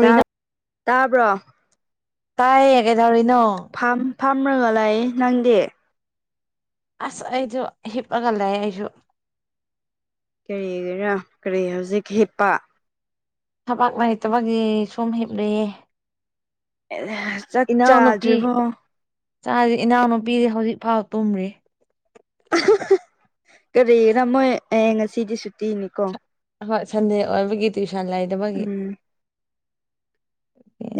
ꯇꯥ ꯇꯥꯕ꯭ꯔꯣ ꯇꯥꯏꯌꯦ ꯀꯩꯗꯧꯔꯤꯅꯣ ꯐꯥꯝ ꯐꯥꯝꯔꯒ ꯂꯩꯌꯦ ꯅꯪꯗꯤ ꯑꯁ ꯑꯩꯖꯨ ꯍꯤꯞ ꯑꯒ ꯂꯩꯌꯦ ꯑꯩꯖꯨ ꯀꯔꯤꯒꯤꯔꯥ ꯀ꯭ꯔꯤ ꯍꯧꯖꯤꯛ ꯍꯤꯞꯄ ꯊꯕꯛ ꯂꯩꯇꯕꯒꯤ ꯁꯨꯝ ꯍꯤꯞꯔꯤꯌꯦ ꯆꯛ ꯆꯥꯗ꯭ꯔꯤꯕꯣ ꯆꯗ꯭ꯔꯤ ꯏꯅꯥꯎꯅꯨꯄꯤꯗꯤ ꯍꯧꯖꯤꯛ ꯐꯥꯎ ꯇꯨꯝꯔꯤ ꯀ꯭ꯔꯤꯒꯤꯔꯥ ꯃꯣꯏ ꯑꯦ ꯉꯁꯤꯗꯤ ꯁꯨꯇꯤꯅꯤꯀꯣ ꯍꯣꯏ ꯁꯟꯗꯦ ꯑꯣꯏꯕꯒꯤ ꯇ꯭ꯋꯨꯁꯟ ꯂꯩꯇꯥꯕꯒꯤ ꯎꯝ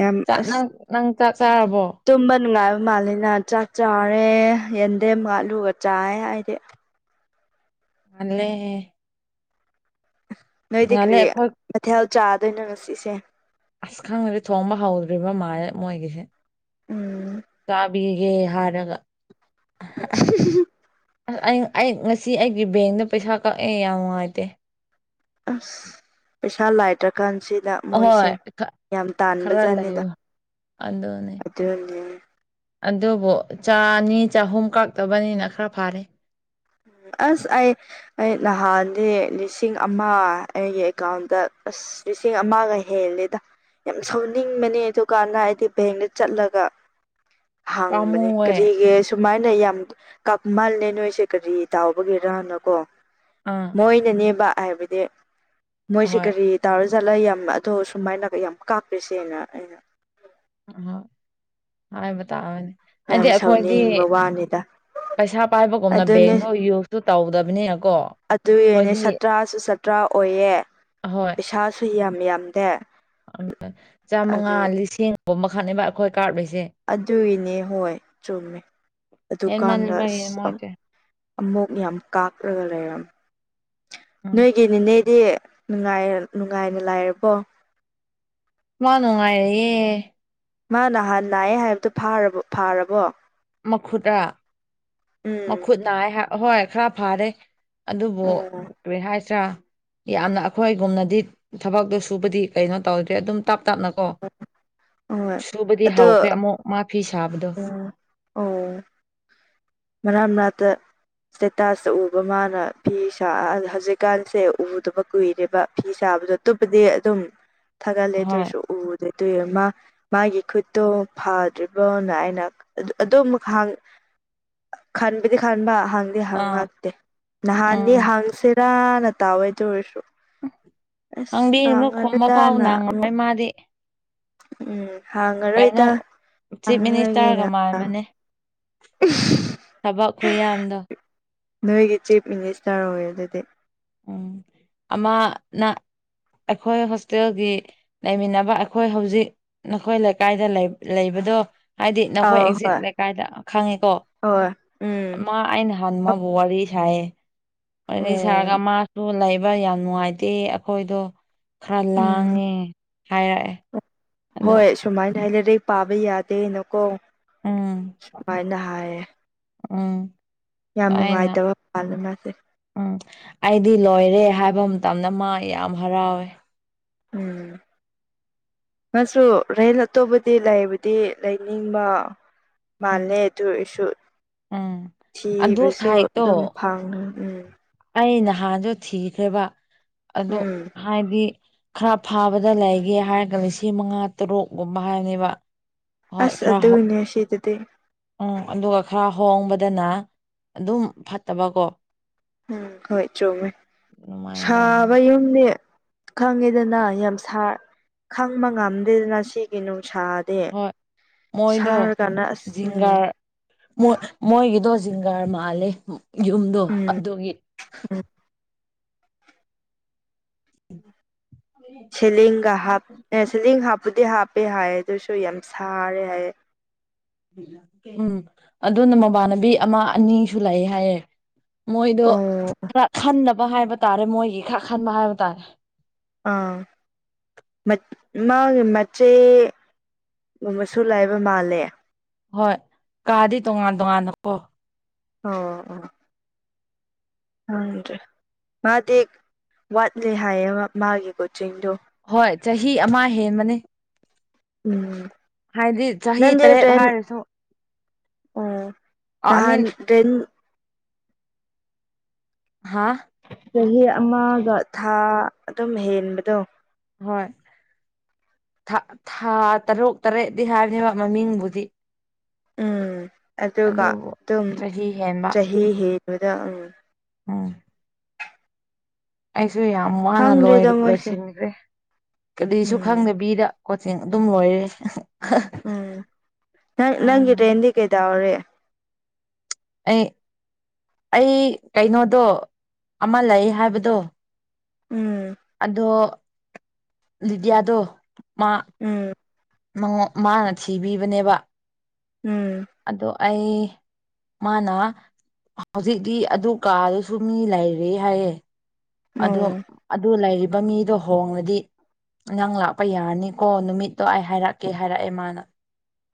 ꯌꯥꯝ ꯆꯥꯛ ꯑꯁ ꯅꯪ ꯅꯪ ꯆꯥꯛ ꯆꯥꯔꯕꯣ ꯇꯨꯝꯕ ꯅꯨꯡꯉꯥꯏꯕ ꯃꯥꯜꯂꯤꯅ ꯆꯥꯛ ꯆꯥꯔꯦ ꯌꯦꯟꯗꯦꯝꯒ ꯑꯂꯨꯒ ꯆꯥꯏ ꯑꯩꯗꯤ ꯉꯜꯂꯦꯍꯦ ꯅꯣꯏꯗꯤ ꯉꯜꯂꯦ ꯀ꯭ꯔꯤ ꯑꯩꯈꯣꯏ ꯃꯊꯦꯜ ꯆꯥꯗꯣꯏꯅꯣ ꯉꯁꯤꯁꯦ ꯑꯁ ꯈꯪꯗ꯭ꯔꯤ ꯊꯣꯡꯕ ꯍꯧꯗ꯭ꯔꯤꯕ ꯃꯥꯜꯂꯦ ꯃꯣꯏꯒꯤꯁꯦ ꯎꯝ ꯆꯥꯛ ꯕꯤꯒꯦ ꯍꯥꯏꯔꯒ ꯑꯁ ꯑꯩ ꯑꯩ ꯉꯁꯤ ꯑꯩꯒꯤ ꯕꯦꯡꯗ ꯄꯩꯁꯥ ꯀꯛꯑꯦ ꯌꯥꯝ ꯅꯨꯡꯉꯥꯏꯇꯦ ꯑꯁ ꯄꯩꯁꯥ ꯂꯥꯏꯇ꯭ꯔꯀꯥꯟꯁꯤꯗ ꯃꯣꯏꯁꯦ ꯑꯍꯣꯏ ꯌꯥꯝ ꯈꯔ ꯇꯥꯟꯕꯖꯥꯠꯅꯤꯗ ꯂꯩꯌꯨ ꯑꯗꯨꯅꯦ ꯑꯗꯨꯅꯤ ꯑꯗꯨꯕꯨ ꯆꯥꯅꯤ ꯆꯍꯨꯝ ꯀꯥꯛꯇꯕꯅꯤꯅ ꯈꯔ ꯐꯥꯔꯦ ꯑꯁ ꯑꯩ ꯑꯩ ꯅꯍꯥꯟꯗꯤ ꯂꯤꯁꯤꯡ ꯑꯃ ꯑꯩꯒꯤ ꯑꯦꯀꯥꯎꯟꯗ ꯑꯁ ꯂꯤꯁꯤꯡ ꯑꯃꯒ ꯍꯦꯜꯂꯦꯗ ꯌꯥꯝ ꯁꯥꯎꯅꯤꯡꯕꯅꯦ ꯑꯗꯨꯀꯥꯟꯗ ꯍꯥꯏꯗꯤ ꯕꯦꯡꯗ ꯆꯠꯂꯒ꯫ ꯍꯥꯡꯕꯅꯦ ꯄꯥꯝꯃꯨꯌꯦ ꯀꯔꯤꯒꯤ ꯁꯨꯃꯥꯏꯅ ꯌꯥꯝ ꯀꯞꯃꯜꯂꯦ ꯅꯣꯏꯁꯦ ꯀꯔꯤ ꯇꯥꯎꯕꯒꯤꯔꯅ ꯀꯣ꯫ ꯑꯥ꯫ ꯃꯣꯏꯅꯅꯦꯕ ꯍꯥꯏꯕꯗꯤ ꯃꯣꯏꯁꯦ ꯍꯣꯏ ꯀꯔꯤ ꯇꯧꯔ ꯆꯠꯂ ꯌꯥꯝ ꯑꯗꯣ ꯁꯨꯃꯥꯏꯅ ꯌꯥꯝ ꯀꯥꯞꯄꯤꯔꯤꯁꯦꯅ ꯑꯩꯅ꯫ ꯑ ꯍꯥꯏꯕ ꯇꯔꯦꯅꯦ꯫ ꯌꯥꯝ ꯁꯥꯎꯅꯤꯡꯕ ꯋꯥꯅꯤꯗ꯫ ꯄꯩꯁꯥ ꯄꯥꯏꯕꯒꯨꯝꯅ ꯑꯗꯨꯅꯦ ꯕꯦꯡꯗꯣ ꯌꯨꯁꯇꯨ ꯇꯧꯗꯕꯅꯤꯅꯀꯣ ꯑꯈꯣꯏꯗꯤ꯫ ꯁꯠ ꯇ꯭ꯔꯥ ꯑꯣꯏꯌꯦ꯫ ꯍꯣꯏ꯫ ꯄꯩꯁꯥꯁꯨ ꯌꯥꯝ ꯌꯥꯝꯗꯦ꯫ ꯆꯥꯝꯃꯉꯥ ꯑꯗꯨ ꯂꯤꯁꯤꯡꯐꯥꯎ ꯃꯈꯥꯅꯦꯕ ꯑꯩꯈꯣꯏ ꯀꯥꯞꯔꯤꯁꯦ꯫ ꯑꯗꯨꯒꯤꯅꯦ ꯍꯣꯏ ꯆꯨꯝꯃꯦ ꯑꯗꯨꯀꯥꯟꯗ ꯍꯦꯟꯃꯟꯕꯒꯤ ꯑꯁ ꯃꯣꯏꯁꯦ ꯑꯃꯨꯛ ꯌꯥꯝ ꯀꯥꯥꯛꯂꯒ ꯂꯩꯔꯝꯃꯤ ꯎꯝ ꯅꯣꯏꯒꯤ ꯅꯤꯅꯦ ꯍꯧꯖꯤꯛꯇꯤ ꯅꯨꯡꯉꯥꯏ ꯅꯨꯡꯉꯥꯏꯅ ꯂꯥꯏꯔꯕꯣ꯫ ꯃꯥ ꯅꯨꯡꯉꯥꯏꯔꯤꯌꯦ꯫ ꯃꯥ ꯅꯍꯥꯟ ꯂꯌꯦ ꯍꯥꯏꯕꯗꯣ ꯐꯥꯔ ꯐꯥꯔꯕꯣ꯫ ꯃꯈꯨꯠ ꯎꯝ ꯃꯈꯨꯠ ꯅꯥ ꯍꯣꯏ ꯈꯔ ꯐꯔꯦ꯫ ꯑꯗꯨꯕꯨ꯫ ꯑꯣ ꯀꯔꯤ ꯍꯥꯏꯁꯤꯔꯥ ꯌꯥꯝꯅ ꯑꯩꯈꯣꯏꯒꯨꯝꯅꯗꯤ ꯊꯕꯛꯇꯣ ꯁꯨꯕꯗꯤ ꯀꯩꯅꯣ ꯇꯧꯗꯦ ꯑꯗꯨꯝ ꯇꯞ ꯇꯞꯅꯀꯣ ꯍꯣꯏ ꯁꯨꯕꯗꯤ ꯑꯗꯣ ꯍꯥꯎꯈ꯭ꯔꯦ ꯑꯃꯨꯛ ꯃꯥ ꯐꯤ ꯁꯥꯕꯗꯣ꯫ ꯎꯝ ꯑꯣ꯫ ꯃꯔꯛ ꯃꯔꯛꯇ ꯁꯇꯦꯇꯥꯁꯇ ꯎꯕ ꯃꯥꯅ ꯐꯤ ꯁꯥ ꯍꯧꯖꯤꯛꯀꯥꯟꯁꯦ ꯎꯗꯕ ꯀꯨꯏꯔꯦꯕ ꯐꯤ ꯁꯥꯕꯗꯣ꯫ ꯑꯇꯣꯞꯄꯗꯤ ꯑꯗꯨꯝ ꯐꯥꯒꯠꯂꯦ ꯑꯗꯨ ꯍꯣꯏ ꯑꯣꯢꯁꯨ ꯎ ꯑꯗꯨꯏ ꯃꯥ ꯃꯥꯒꯤ ꯈꯨꯠꯇꯣ ꯐꯗ꯭ꯔꯤꯕꯣꯅ ꯑꯩꯅ ꯑꯗꯨ ꯃꯥ ꯈꯟꯕꯗꯤ ꯈꯟꯕ ꯍꯪꯗꯤ ꯍꯪ ꯑꯥ ꯉꯥꯛꯇꯦ ꯅꯍꯥꯟꯗꯤ ꯎꯝ ꯍꯪꯁꯦ ꯇꯥꯅ ꯇꯥꯑꯣꯏꯗ ꯑꯣꯏꯁꯨ ꯑꯁ ꯅꯪꯗꯤ ꯁꯥꯡꯉꯔ ꯈꯣꯝꯕ ꯐꯥꯎ ꯇꯅ ꯅꯪꯉꯣꯏ ꯑꯃꯨꯛ꯫ ꯃꯥꯗꯤ꯫ ꯎꯝ ꯀꯩꯅꯣ ꯍꯥꯡꯉꯔꯣꯏꯗ ꯆꯤꯞ ꯃꯤꯅꯤꯁꯇꯔꯒ ꯍꯥꯡꯉꯔꯣꯏꯒꯦꯅ꯫ ꯃꯥꯟꯕꯅꯦ ꯊꯕꯛ ꯈꯨꯌꯥꯝꯗꯣ꯫ ꯅꯣꯏꯒꯤ ꯆꯤꯐ ꯃꯤꯅꯤꯁꯇꯔ ꯑꯣꯏ ꯑꯗꯨꯗꯤ꯫ ꯎꯝ ꯑꯃꯅ ꯑꯩꯈꯣꯏ ꯍꯣꯁꯇꯦꯜꯒꯤ꯫ ꯂꯩꯃꯤꯟꯅꯕ ꯑꯩꯈꯣꯏ ꯍꯧꯖꯤꯛ ꯅꯈꯣꯏ ꯂꯩꯀꯥꯏꯗ ꯂꯩ ꯂꯩꯕꯗꯣ꯫ ꯍꯥꯏꯗꯤ ꯅꯈꯣꯏ ꯑꯧ ꯑꯦꯛꯖꯦꯛ ꯍꯣꯏ ꯂꯩꯀꯥꯏꯗ ꯈꯪꯉꯤꯀꯣ ꯍꯣꯏ ꯎꯝ ꯃꯥ ꯑꯩꯅ ꯍꯟ ꯋꯥꯔꯤ ꯁꯥꯏꯌꯦ ꯑꯣ ꯄꯨꯋꯥꯔꯤ ꯁꯥꯔꯒ ꯃꯁꯨ ꯑꯗꯨ ꯂꯩꯕ ꯌꯥꯝ ꯅꯨꯡꯉꯥꯏꯇꯦ ꯑꯩꯈꯣꯏꯗꯣ ꯈꯔ ꯎꯝ ꯂꯥꯡꯉꯦ ꯍꯥꯏꯔꯛꯑꯦ꯫ ꯑꯗꯣ ꯍꯣꯏ ꯁꯨꯃꯥꯏꯅ ꯍꯥꯏ ꯂꯩꯔꯦꯛ ꯄꯥꯕ ꯌꯥꯗꯦꯅꯀꯣ ꯎꯝ ꯁꯨꯃꯥꯏꯅ ꯍꯥꯏꯌꯦ꯫ ꯎꯝ꯫ ꯌꯥꯝ ꯑꯩꯅ ꯅꯨꯡꯉꯥꯏꯇꯕ ꯄꯥꯜꯅꯦ ꯃꯥꯁꯦ꯫ ꯎꯝ ꯑꯩꯗꯤ ꯂꯣꯏꯔꯦ ꯍꯥꯏꯕ ꯃꯇꯝꯗ ꯃꯥ ꯌꯥꯝ ꯍꯔꯥꯎꯋꯦ꯫ ꯎꯝ꯫ ꯃꯁꯨ ꯔꯦꯟ ꯑꯇꯣꯞꯄꯗꯤ ꯂꯩꯕꯗꯤ ꯂꯩꯅꯤꯡꯕ꯫ ꯎꯝ ꯃꯥꯜꯂꯦ ꯑꯗꯨ ꯑꯣꯏꯔꯁꯨ ꯎꯝ ꯑꯗꯨ ꯊꯤꯕꯁꯨ ꯁꯥꯏꯠꯇꯣ ꯑꯗꯨꯝ ꯐꯥꯡ ꯎꯝ ꯑꯩ ꯅꯍꯥꯟꯁꯨ ꯊꯤꯈ꯭ꯔꯦꯕ ꯎꯝ ꯑꯗꯣ ꯎꯝ ꯍꯥꯏꯗꯤ ꯈꯔ ꯐꯥꯕꯗ ꯂꯩꯒꯦ ꯍꯥꯏꯔꯒ ꯂꯤꯁꯤꯡ ꯃꯉꯥ ꯇꯔꯨꯛꯒꯨꯝꯕ ꯍꯥꯏꯕꯅꯦꯕ ꯍꯣꯏ ꯑꯁ ꯈ꯭ꯔꯥ ꯍꯧ ꯑꯗꯨꯅꯦ ꯁꯤꯗꯗꯤ ꯎꯝ ꯑꯗꯨꯒ ꯈꯔ ꯍꯣꯡꯕꯗꯅ ꯑꯗꯨꯝ ꯐꯠꯇꯕꯀꯣ ꯎꯝ ꯍꯣꯏ ꯆꯨꯝꯃꯦ ꯑꯗꯨꯃꯥꯏꯅ ꯇꯧꯅꯤ ꯁꯥꯕ ꯌꯨꯝꯗꯤ ꯈꯪꯉꯦꯗꯅ ꯌꯥꯝ ꯁꯥ ꯈꯪꯕ ꯉꯝꯗꯦꯗꯅ ꯁꯤꯒꯤ ꯅꯨꯡꯁꯥ ꯗꯦ ꯍꯣꯏ ꯃꯣꯏꯗꯣ ꯁꯍꯔꯒꯥꯟꯗ ꯑꯁ ꯎꯝ ꯖꯤꯡꯒꯥꯔ ꯃꯣꯏ ꯃꯣꯏꯒꯤꯗꯣ ꯖꯤꯡꯒꯥꯔ ꯃꯥꯜꯂꯦ ꯌꯨꯝꯗꯣ ꯎꯝ ꯑꯗꯨꯒꯤ ꯎꯝ ꯁꯦꯂꯤꯡꯒ ꯍꯥꯞ ꯑꯦ ꯁꯦꯂꯤꯡ ꯍꯥꯞꯄꯨꯗꯤ ꯍꯥꯞꯄꯦ ꯍꯥꯏ ꯑꯗꯨꯁꯨ ꯌꯥꯝ ꯁꯥꯔꯦ ꯍꯥꯏꯌꯦ ꯎꯝ ꯑꯗꯨꯅ ꯃꯃꯥꯟꯅꯕꯤ ꯑꯃ ꯑꯅꯤꯁꯨ ꯂꯩ ꯍꯥꯏꯌꯦ ꯃꯣꯏꯗꯣ ꯑꯣ ꯈꯔ ꯈꯟꯗꯕ ꯍꯥꯏꯕ ꯇꯥꯔꯦ ꯃꯣꯏꯒꯤ ꯈꯔ ꯈꯟꯕ ꯍꯥꯏꯕ ꯇꯥꯔꯦ ꯑꯥ ꯃꯠ ꯃꯥꯒꯤ ꯃꯆꯦ ꯃꯁꯨ ꯂꯩꯕ ꯃꯥꯜꯂꯦ ꯍꯣꯏ ꯀꯥꯗꯤ ꯇꯣꯉꯥꯟ ꯇꯣꯉꯥꯟꯅꯀꯣ ꯑꯧ ꯑꯣꯑꯣ ꯍꯗ꯭ꯔꯦ ꯃꯥꯗꯤ ꯋꯥꯠꯂꯤ ꯍꯥꯏꯌꯦꯕ ꯃꯥꯒꯤ ꯀꯣꯆꯤꯡꯗꯣ ꯍꯣꯏ ꯆꯍꯤ ꯑꯃ ꯍꯦꯟꯕꯅꯦ ꯎꯝ ꯍꯥꯏꯗꯤ ꯆꯍꯤ ꯇꯔꯦꯠ ꯍꯥꯏꯔꯁꯨ ꯑꯣ ꯑꯥꯏ ꯅꯍꯥꯟ ꯃꯤꯟ ꯗ꯭ꯔꯤꯟ ꯍꯥ ꯆꯍꯤ ꯑꯃꯒ ꯊꯥ ꯑꯗꯨꯝ ꯍꯦꯟꯕꯗꯣ ꯍꯣꯏ ꯊꯥ ꯇꯔꯨꯛ ꯇꯔꯦꯠꯗꯤ ꯍꯥꯏꯕꯅꯦꯕ ꯃꯃꯤꯡꯕꯨꯗꯤ ꯎꯝ ꯑꯗꯨꯒ ꯑꯗꯨꯕꯨ ꯑꯗꯨꯝ ꯆꯍꯤ ꯍꯦꯟꯕ ꯆꯍꯤ ꯍꯦꯟꯕꯗ ꯎꯝ ꯎꯝ ꯑꯩꯁꯨ ꯌꯥꯝ ꯋꯥꯅ ꯈꯪꯗ꯭ꯔꯦꯗ ꯃꯣꯏꯁꯦ ꯂꯣꯏꯁꯤꯟꯈ꯭ꯔꯦ ꯀꯔꯤꯁꯨ ꯎꯝ ꯈꯪꯗꯕꯤꯗ ꯀꯣꯆꯤꯡ ꯑꯗꯨꯝ ꯂꯣꯏꯔꯦ ꯎꯝ ꯅꯪ ꯅꯪꯒꯤ ꯇꯦꯟꯗꯤ ꯀꯩꯗꯧꯔꯤ ꯑꯩ ꯑꯩ ꯀꯩꯅꯣꯗꯣ ꯑꯃ ꯂꯩ ꯍꯥꯏꯕꯗꯣ ꯎꯝ ꯑꯗꯣ ꯂꯤꯗꯤꯌꯥꯗꯣ ꯃꯥ ꯎꯝ ꯃꯉꯣꯟ ꯃꯥꯅ ꯊꯤꯕꯤꯕꯅꯦꯕ ꯎꯝ ꯑꯗꯨ ꯑꯩ ꯃꯥꯅ ꯍꯧꯖꯤꯛꯇꯤ ꯑꯗꯨ ꯀꯥꯗꯨꯁꯨ ꯃꯤ ꯂꯩꯔꯦ ꯍꯥꯏꯌꯦ ꯑꯣ ꯑꯗꯣ ꯑꯗꯨ ꯂꯩꯔꯤꯕ ꯃꯤꯗꯣ ꯍꯣꯡꯔꯗꯤ ꯅꯪ ꯂꯥꯛꯄ ꯌꯥꯔꯅꯤꯀꯣ ꯅꯨꯃꯤꯠꯇꯣ ꯑꯩ ꯍꯥꯏꯔꯛꯀꯦ ꯍꯥꯏꯔꯛꯑꯦ ꯃꯥꯅ꯫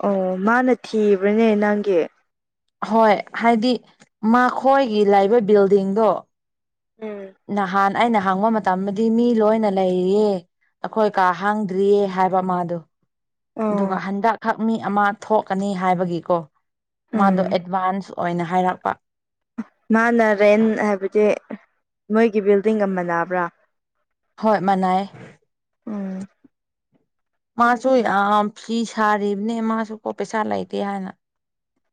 ꯑꯣ ꯃꯥꯅ ꯊꯤꯕ꯭ꯔꯅꯦ ꯅꯪꯒꯤ꯫ ꯍꯣꯏ ꯍꯥꯏꯗꯤ ꯃꯈꯣꯏꯒꯤ ꯂꯩꯕ ꯕꯤꯜꯗꯤꯡꯗꯣ꯫ ꯎꯝ꯫ ꯅꯍꯥꯟ ꯑꯩꯅ ꯍꯪꯕ ꯃꯇꯝꯗꯗꯤ ꯃꯤ ꯂꯣꯏꯅ ꯂꯩꯔꯤꯌꯦ ꯑꯈꯣꯏ ꯀꯥ ꯍꯥꯡꯗ꯭ꯔꯤꯌꯦ ꯍꯥꯏꯕ ꯃꯥꯗꯣ꯫ ꯑꯣ ꯑꯗꯨꯒ ꯍꯟꯗꯛꯈꯛ ꯃꯤ ꯑꯃ ꯊꯣꯛꯀꯅꯤ ꯍꯥꯏꯕꯒꯤꯀꯣ ꯎꯝ ꯃꯥꯗꯣ ꯑꯦꯗꯚꯥꯟꯁ ꯑꯣꯏꯅ ꯍꯥꯏꯔꯛꯄ꯫ ꯃꯥꯅ ꯔꯦꯟ ꯍꯥꯏꯕꯗꯤ ꯃꯣꯏꯒꯤ ꯕꯤꯜꯗꯤꯡꯒ ꯃꯅꯕ꯭ꯔꯥ꯫ ꯍꯣꯏ ꯃꯅꯩꯌꯦ꯫ ꯎꯝ ꯃꯥꯁꯨ ꯌꯥꯝ ꯐꯤ ꯁꯥꯔꯤꯕꯅꯦ ꯃꯥꯁꯨ ꯀꯣ ꯄꯩꯁꯥ ꯂꯩꯇꯦ ꯍꯥꯏꯅ꫰꫰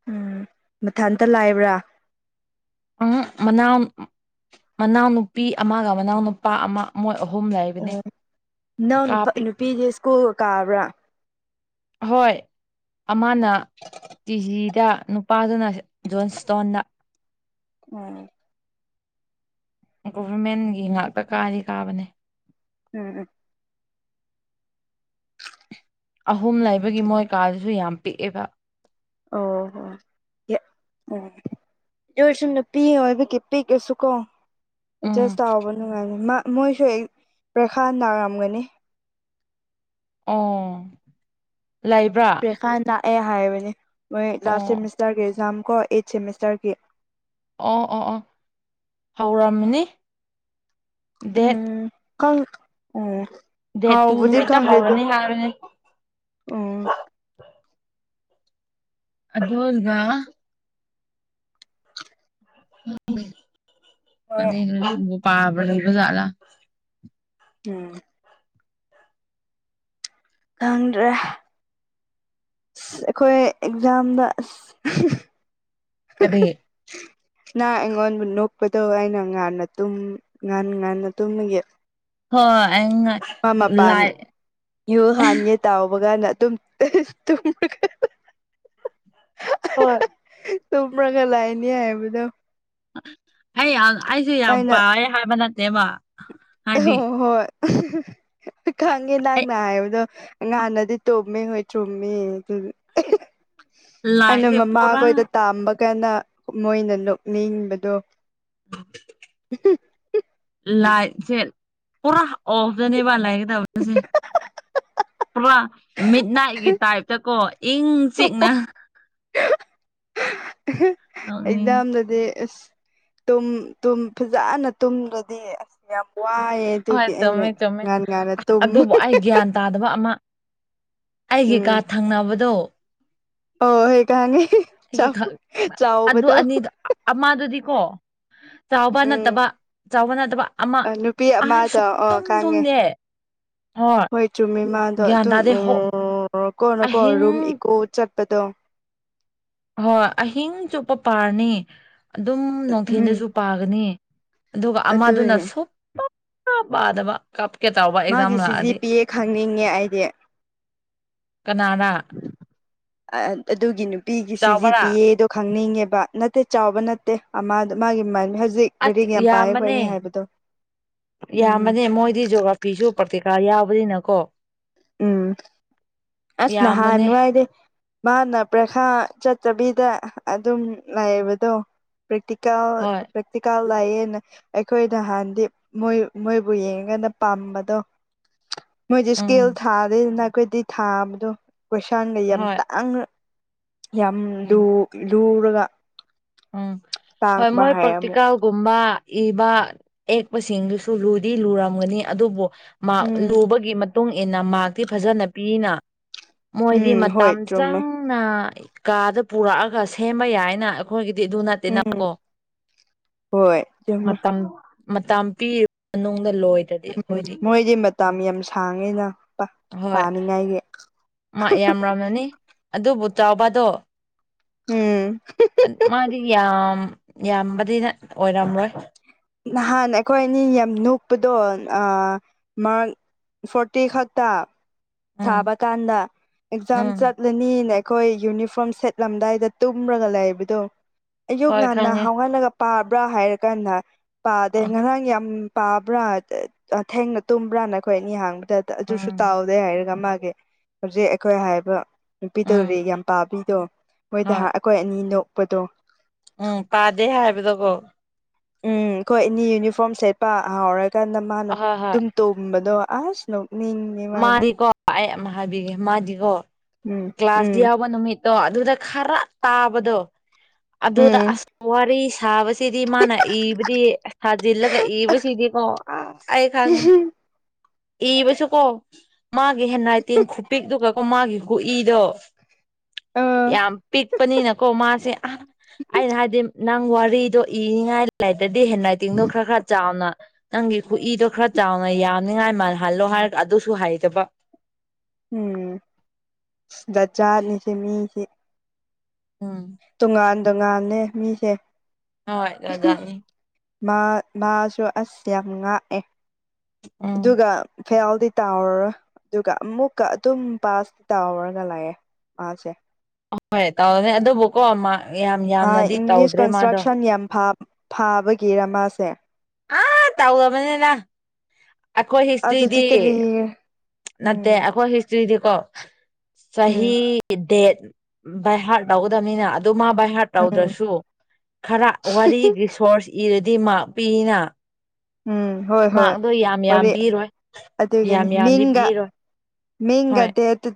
ꯎꯝ ꯃꯊꯥꯟꯇ ꯂꯥꯏꯕ꯭ꯔꯥ꯫ ꯎꯝꯍꯨꯝ ꯃꯅꯥꯎ ꯃꯅꯥꯎꯅꯨꯄꯤ ꯑꯃꯒ ꯃꯅꯥꯎꯅꯨꯞ ꯅꯨꯄꯥ ꯑꯃ ꯃꯣꯏ ꯑꯍꯨꯝ ꯑꯣ ꯂꯩꯕꯅꯦ ꯀꯥ ꯄꯤꯛ ꯀꯨꯜ ꯀꯥꯕ꯭ꯔꯥ꯫ ꯑꯍꯣꯏ ꯑꯃꯅ ꯇꯤꯖꯤꯗ ꯅꯨꯄꯥꯗꯨꯅ ꯖꯣꯟ ꯁꯇ꯭ꯣꯟꯗ꯫ ꯑꯣ꯫ ꯒꯣꯚꯔꯃꯦꯟꯒꯤ ꯉꯥꯛꯇ ꯀꯥꯗꯤ ꯀꯥꯕꯅꯦ꯫ ꯎꯝ ꯎꯝ꯫ ꯑꯍꯨꯝ ꯂꯩꯕꯒꯤ ꯃꯣꯏ ꯀꯥꯗꯁꯨ ꯌꯥꯝ ꯄꯤꯛꯑꯦꯕ꯫ ꯑꯣ ꯍꯣ ꯌꯥ ꯑꯣ꯫ ꯗꯨ ꯑꯣꯏꯔꯁꯨ ꯅꯨꯄꯤ ꯑꯣꯏꯕꯒꯤ ꯄꯤꯛꯔꯁꯨꯨ ꯀꯣ꯫ ꯎꯝ ꯑꯦꯗꯖꯁ ꯇꯧꯕ ꯅꯨꯡꯉꯥꯏꯅꯤ ꯃꯥ ꯃꯣꯏꯁꯨ ꯑꯩ ꯄ꯭ꯔꯈꯥ ꯅꯥꯔꯝꯒꯅꯤ꯫ ꯑꯣ ꯂꯩꯕ꯭ꯔꯥ꯫ ꯏꯈꯥꯟ ꯂꯥꯛꯑꯦ ꯍꯥꯏꯕꯅꯦ ꯃꯣꯏ ꯂꯥꯁ ꯑꯣ ꯁꯦꯃꯤꯁꯇꯔꯒꯤ ꯑꯦꯛꯖꯥꯝ ꯀꯣ ꯑꯩꯠ ꯁꯦꯃꯤꯁꯇꯔꯒꯤ꯫ ꯑꯣ ꯑꯣ ꯑꯣ ꯍꯧꯔꯝꯃꯅꯤ ꯗꯦꯠ ꯎꯝ ꯈꯪ ꯑꯣ ꯗꯦꯠ ꯇꯨ ꯍꯥꯎꯕꯗꯤ ꯅꯨꯃꯤꯠꯇ ꯈꯪꯗꯦ ꯑꯗꯨ꯫ [unintelligible] ꯎꯝ ꯑꯗꯣꯜꯒ ꯍꯣꯏ [unintelligible] ꯄꯥꯕ ꯂꯩꯕꯖꯥꯠꯂ꯫ ꯎꯝ꯫ ꯈꯪꯗ꯭ꯔꯦ꯫ ꯑꯁ ꯑꯩꯈꯣꯏ ꯑꯦꯛꯖꯥꯝꯗ ꯑꯁ꯫ ꯀꯔꯤ꯫ ꯅꯪ ꯑꯩꯉꯣꯟꯕꯨ ꯅꯣꯛꯄꯗꯣ ꯑꯩꯅ ꯉꯥꯟꯅ ꯇꯨꯝ ꯉꯟ ꯉꯟꯅ ꯇꯨꯝꯕꯒꯤ꯫ ꯍꯣꯏ ꯑꯩꯉ--꯫ ꯄ ꯃꯄꯥꯟ ꯌꯨ ꯍꯥꯟꯒꯦ ꯇꯥꯎꯕ ꯒꯥꯟꯗ ꯑꯗꯨꯝ ꯇꯨꯝꯔꯒ ꯍꯣꯏ ꯇꯨꯝꯔꯒ ꯂꯩꯅꯤ ꯍꯥꯏꯕꯗꯣ ꯑꯩ ꯌꯥꯝ ꯑꯩꯁꯨ ꯌꯥꯝ ꯄꯥꯌꯦ ꯍꯥꯏꯕ ꯅꯠꯇꯦꯕ ꯍꯥꯏꯗꯤ ꯑꯣ ꯍꯣꯏ ꯍꯦꯛꯇ ꯈꯪꯉꯦ ꯑꯩ ꯅꯪꯅ ꯍꯥꯏꯕꯗꯣ꯫ ꯑꯉꯥꯟꯅꯗꯤ ꯇꯨꯝꯃꯦ ꯍꯣꯏ ꯆꯨꯝꯃꯤꯗꯨꯒ ꯑꯩꯅ ꯂꯥꯏꯁꯦ ꯄꯨꯔꯥ ꯃꯃꯥꯈꯣꯏꯗ ꯇꯥꯝꯕꯀꯥꯟꯗ ꯃꯣꯏꯅ ꯅꯣꯛꯅꯤꯡꯕꯗꯣ ꯫ ꯂꯥꯏꯠꯁꯦ ꯄꯨꯔꯥ ꯑꯣꯐꯇꯅꯦꯕ ꯂꯩꯒꯗꯕꯁꯦ ꯄꯨꯔꯥ ꯃꯤꯠꯅꯥꯏꯒꯤ ꯇꯥꯏꯞꯇꯀꯣ ꯏꯪ ꯆꯤꯛꯅ ꯅꯣꯛꯅꯤꯡꯉꯤ ꯑꯦꯛꯖꯥꯝꯗ ꯗꯤ ꯑꯁ ꯇꯨꯝ ꯇꯨꯝ ꯐꯖꯥꯥꯅ ꯇꯨꯝꯗ꯭ꯔꯗꯤ ꯑꯁ ꯌꯥꯝ ꯋꯥꯏꯌꯦ ꯫ ꯍꯣꯏ ꯗꯨꯒꯤ ꯑꯩꯅ ꯆꯨꯝꯃꯦ ꯆꯨꯝꯃꯦ ꯉꯟ ꯉꯥꯟꯅ ꯑꯁ ꯇꯨꯝ ꯑꯗꯨꯕꯨ ꯑꯩ ꯒ꯭ꯌꯥꯟ ꯇꯥꯗꯕ ꯑꯃ ꯑꯩꯒꯤ ꯀꯥ ꯎꯝ ꯊꯪꯅꯕꯗꯣ ꯑꯣ ꯍꯣꯏ ꯈꯥꯡꯉꯦ ꯆꯥꯎ ꯆꯥꯎꯕꯗꯣ ꯑꯃꯥꯗꯨꯗꯤꯀꯣ꯫ ꯆꯥꯎꯕ ꯎꯝ ꯅꯠꯇꯕ ꯆꯥꯎꯕ ꯅꯠꯇꯕ ꯑꯃ ꯅꯨꯄꯤ ꯑꯁ ꯑꯃꯗ ꯑꯣ ꯁꯨꯛꯇꯨꯝ ꯈꯪꯉꯦ ꯇꯨꯝꯗꯦ ꯍꯣꯏ ꯆꯨꯝꯃꯦ ꯃꯥꯗꯣ ꯒ꯭ꯌꯥꯟ ꯑꯗꯨꯝ ꯇꯥꯗꯦ ꯍꯣ ꯀꯣꯅꯀꯣ ꯑꯍꯤꯡ ꯔꯨꯝ ꯏꯀꯣ ꯆꯠꯄꯗꯣ ꯍꯣꯏ ꯑꯍꯤꯡ ꯆꯨꯞꯄ ꯄꯥꯔꯅꯤ ꯑꯗꯨꯝ ꯎꯝ ꯅꯨꯡꯊꯦꯜꯗꯁꯨ ꯄꯥꯒꯅꯤ ꯑꯗꯨꯒ ꯑꯃꯗꯨꯅ ꯑꯗꯨꯅꯦ ꯁꯣꯛ ꯄꯥꯗꯕ ꯀꯞꯀꯦ ꯇꯧꯕ ꯑꯦꯛꯖꯥꯝ ꯃꯥꯒꯤ ꯂꯥꯛꯑꯗꯤ ꯁꯤꯖꯤ ꯄꯤ ꯑꯦ ꯈꯪꯅꯤꯡꯉꯦ ꯑꯩꯗꯤ ꯀꯅꯥꯅ ꯑꯗꯨꯒꯤ ꯅꯨꯄꯤꯒꯤ ꯁꯤ ꯖꯤ ꯄꯤ ꯆꯥꯎꯕꯔꯥ ꯑꯦ ꯗ ꯈꯪꯅꯤꯡꯉꯦꯕ ꯅꯠꯇꯦ ꯆꯥꯎꯕ ꯅꯠꯇꯦꯗ ꯃꯥꯒꯤ ꯃ ꯍꯧꯖꯤꯛ ꯑꯁ ꯂꯥꯏꯔꯤꯛ ꯌꯥꯝ ꯄꯥꯏ ꯌꯥꯝꯕꯅꯦ ꯈꯣꯠꯅꯤ ꯍꯥꯏꯕꯗꯣ ꯎꯝ ꯌꯥꯝꯕꯅꯦ ꯃꯣꯏꯗꯤ ꯌꯖꯣꯒ꯭ꯔ ꯅꯨꯄꯤꯁꯨ ꯄ꯭ꯔꯇꯤꯀꯥꯔ ꯌꯥꯎꯕꯅꯤꯅꯀꯣ ꯎꯝ ꯑꯁ ꯌꯥꯝꯕꯅꯦ ꯅꯍꯥꯟꯋꯥꯏꯗꯒꯤ ꯃꯥꯅ ꯄꯔꯤꯈꯥ ꯆꯠꯇꯕꯤꯗ ꯑꯗꯨꯝ ꯂꯩꯕꯗꯣ ꯄꯔꯛꯇꯤꯀꯦꯜ ꯍꯣꯏ ꯄꯔ꯭ꯛꯔ꯭ꯤꯀꯦꯜ ꯂꯩꯌꯦꯅ ꯑꯩꯈꯣꯏꯅ ꯍꯥꯟꯗꯤ ꯃꯣꯏ ꯃꯣꯏꯕꯨ ꯌꯦꯡꯉꯒꯅ ꯄꯥꯝꯕꯗꯣ ꯃꯣꯏ ꯏꯁꯀꯦꯜ ꯎꯝ ꯊꯥꯗꯩꯗꯅ ꯑꯩꯈꯣꯏꯗꯤ ꯊꯥꯕꯗꯣ ꯀꯣꯏꯁꯥꯡꯒ ꯌꯥꯝ ꯍꯣꯏ ꯇꯥꯡꯅ ꯌꯥꯝ ꯎꯝ ꯂꯨꯔꯒ ꯎꯝ ꯍꯣꯏ ꯇꯥꯡꯕ ꯃꯣꯏ ꯍꯥꯏ ꯑꯃꯨꯛ ꯄꯥꯔꯛꯇꯤꯀꯦꯜ ꯒꯨꯝꯕ ꯏꯕ ꯑꯦꯛꯄꯁꯤꯡꯗꯨꯁꯨ ꯂꯨꯗꯤ ꯂꯨꯔꯝꯒꯅꯤ ꯑꯗꯨꯕꯨ ꯃꯥꯔ ꯎꯝ ꯂꯨꯕꯒꯤ ꯃꯇꯨꯡ ꯏꯟꯅ ꯃꯥꯔꯛꯇꯤ ꯐꯖꯅ ꯄꯤꯅ ꯃꯣꯏꯗꯤ ꯎꯝ ꯍꯣꯏ ꯃꯇꯝ ꯆꯨꯝꯃꯦ ꯆꯪꯅ ꯀꯥꯗ ꯄꯨꯔꯛꯑꯒ ꯁꯦꯝꯕ ꯌꯥꯏꯅ ꯑꯩꯈꯣꯏꯒꯤꯗꯤ ꯑꯗꯨ ꯅꯠꯇꯦꯅ ꯎꯝ ꯀꯣ ꯍꯣꯏ ꯆꯨꯝꯃꯦ ꯃꯇꯝ ꯃꯇ ꯄꯤꯔꯤꯕ ꯃꯅꯨꯡꯗ ꯂꯣꯏꯔꯦ ꯎꯝ ꯃꯣꯏꯗꯤ ꯃꯇꯝ ꯌꯥꯝ ꯁꯥꯡꯉꯦꯅ ꯍꯣꯏ ꯄꯅꯤꯉꯥꯏꯒꯤ ꯅꯤ ꯑꯗꯨꯕꯨ ꯆꯥꯎꯕꯗꯣ ꯎꯝ ꯃꯥꯗꯤ ꯌꯥꯝ ꯌꯥꯝꯕꯗꯤꯅ ꯑꯣꯏꯔꯝꯔꯣꯏ ꯅꯍꯥꯟ ꯑꯩꯈꯣꯏ ꯑꯅꯤ ꯌꯥꯝ ꯅꯣꯛꯄꯗꯣ ꯃꯔꯛ ꯐꯣꯔꯇꯤ ꯈꯛꯇ ꯎꯝ ꯊꯥꯕ ꯀꯥꯟꯗ ꯑꯦꯛꯖꯥꯝ ꯎꯝ ꯆꯠ ꯆꯠꯂꯅꯤꯅ ꯑꯩꯈꯣꯏ ꯌꯨꯅꯤꯐꯣꯔꯝ ꯁꯦꯠꯂꯝꯗꯥꯏꯗ ꯇꯨꯝꯃꯒ ꯂꯩꯕꯗꯣ ꯑꯌꯨꯛ ꯍꯣꯏ ꯉꯟꯅ ꯈꯪꯉꯦ ꯍꯥꯎꯍꯜꯂꯒ ꯄꯥꯕ꯭ꯔꯥ ꯍꯥꯏꯔꯀꯥꯟꯗ ꯄꯥꯗꯦ ꯑ ꯉꯔꯥꯡ ꯌꯥꯝ ꯄꯥꯕ꯭ꯔꯥ ꯊꯦꯡꯅ ꯇꯨꯝꯕ꯭ꯔꯥꯅꯈꯣꯏ ꯑꯅꯤ ꯍꯥꯡꯕꯗ ꯑꯗꯨꯁꯨ ꯎꯝ ꯇꯥꯎꯗꯦ ꯍꯥꯏꯔ ꯍꯧꯖꯤꯛ ꯑꯩꯈꯣꯏ ꯍꯥꯏꯕ ꯅꯨꯄꯤ ꯎꯝ ꯇꯧꯔꯤ ꯌꯥꯝ ꯄꯥꯕꯤꯗꯣ ꯃꯣꯏꯗ ꯍꯣꯏ ꯑꯩꯈꯣꯏ ꯑꯅꯤ ꯅꯣꯛꯄꯗꯣ ꯎꯝ ꯄꯥꯗꯦ ꯍꯥꯏꯕꯗꯀꯣ ꯎꯝ ꯑꯩꯈꯣꯏꯅꯤ ꯌꯨꯅꯤꯐꯣꯔꯝ ꯁꯦꯠꯄ ꯍꯥꯎꯔꯀꯥꯟꯗ ꯃꯥꯅ ꯑꯍꯣꯏ ꯍꯣꯏ ꯑꯗꯨꯝ ꯇꯨꯝꯕꯗꯣ ꯑꯁ ꯅꯣꯛꯅꯤꯡ ꯃꯥꯗꯤꯀꯣ ꯑꯩ ꯑꯃ ꯍꯥꯏꯕꯤꯒꯦ ꯃꯥꯗꯤꯀꯣ ꯎꯝ ꯀ꯭ꯂꯥꯁ ꯎꯝ ꯌꯥꯎꯕ ꯅꯨꯃꯤꯠ ꯑꯣ ꯑꯗꯨꯗ ꯈꯔ ꯇꯥꯕꯗꯣ ꯑꯗꯨꯗ ꯎꯝ ꯑꯁ ꯋꯥꯔꯤ ꯁꯥꯕꯁꯤꯗꯤ ꯃꯥꯅ ꯏꯕꯗꯤ ꯁꯥꯖꯤꯜꯂꯒ ꯏꯕꯁꯤꯗꯤꯀꯣ ꯑ ꯑꯩ ꯈꯪꯉꯦ ꯏꯕꯁꯨ ꯀꯣ ꯃꯥꯒꯤ ꯍꯦꯟꯔꯥꯏꯇꯦꯡ ꯈꯨꯄꯤꯛꯛꯇꯨꯒ ꯀꯦ ꯃꯥꯒꯤ ꯈꯨꯏꯗꯣ ꯑ ꯌꯥꯝ ꯄꯤꯛꯄꯅꯤꯅꯀꯣ ꯃꯥꯁꯦ ꯑꯩꯅ ꯍꯥꯏꯗꯤ ꯅꯪ ꯋꯥꯔꯤꯗꯣ ꯏꯅꯤꯡꯉꯥꯏ ꯂꯩꯥꯏꯇꯔꯥꯗꯤ ꯍꯦꯟ ꯔꯥꯏꯇꯤꯡꯗꯣ ꯈꯔ ꯈꯔ ꯆꯥꯎꯅ ꯅꯪꯒꯤ ꯈꯨꯏꯗꯣ ꯈꯔ ꯆꯥꯎꯅ ꯌꯥꯝꯅꯤꯉꯥꯏ ꯃꯥꯜꯍꯜꯂꯣ ꯍꯥꯏꯔꯒ ꯑꯗꯨꯁꯨ ꯍꯩꯗꯕ ꯎꯝ ꯗꯖꯥꯅꯤꯁꯦ ꯃꯤꯁꯤ ꯎꯝ ꯇꯣꯉꯥꯟ ꯇꯣꯉꯥꯟꯂꯦ ꯃꯤꯁꯦ ꯍꯣꯏ ꯖꯥꯖꯥꯠꯅꯤ ꯃꯥ ꯃꯥꯁꯨ ꯑꯁ ꯌꯥꯝ ꯉꯥꯛꯑꯦ ꯎꯝ ꯑꯗꯨꯒ ꯐꯦꯜꯗꯤ ꯇꯥꯎꯔꯔꯣꯏ ꯑꯗꯨꯒ ꯑꯃꯨꯛꯀ ꯑꯗꯨꯝ ꯄꯥꯁꯇꯤ ꯇꯥꯎꯔꯒ ꯂꯩꯌꯦ ꯑꯁꯦ ꯑ ꯍꯣꯏ ꯇꯥꯎꯅꯤ ꯑꯗꯨꯕꯨꯀꯣ ꯃꯥ ꯌꯥꯝ ꯃꯥ ꯌꯥꯝꯅꯗꯤ ꯏꯪꯂꯤꯁ ꯇꯧꯗ꯭ꯔꯦ ꯃꯥꯗꯣ ꯀꯟꯁꯇ꯭ꯔꯛꯁꯟ ꯌꯥꯝ ꯐꯥ ꯐꯥꯕꯒꯤꯔ ꯃꯥꯥꯁꯦ ꯑꯥ ꯇꯧꯔꯕꯅꯤꯅ ꯑꯈꯣꯏ ꯑꯗꯨꯗꯤ ꯍꯤꯁꯇ꯭ꯔꯤꯗꯤ ꯀꯔꯤ ꯅꯠꯇꯦ ꯎꯝ ꯑꯩꯈꯣꯏ ꯍꯤꯁꯇ꯭ꯔꯤꯗꯤꯀꯣ ꯆꯍꯤ ꯎꯝ ꯗꯦꯠ ꯕꯥꯏ ꯍꯥꯔꯠ ꯇꯧꯒꯗꯕꯅꯤꯅ ꯑꯗꯨ ꯃꯥ ꯕꯥꯏ ꯍꯥꯔꯠ ꯎꯝ ꯇꯧꯗ꯭ꯔꯁꯨ ꯈꯔ ꯋꯥꯔꯤ ꯔꯤ ꯁꯣꯔꯁ ꯏꯔꯗꯤ ꯃꯥꯛ ꯄꯤꯅ ꯎꯝ ꯍꯣꯏ ꯍꯣꯏ ꯃꯥꯔꯛꯗꯣ ꯌꯥꯝ ꯌꯥꯝ ꯋꯥꯔꯤ ꯄꯤꯔꯣꯏ ꯑꯗꯨꯒꯤꯅꯤ ꯌꯥꯝ ꯌꯥꯝꯗꯤ ꯃꯤꯡꯒ ꯄꯤꯔꯣꯏ ꯃꯦꯡꯒ ꯍꯣꯏ ꯗꯦꯠꯇꯨ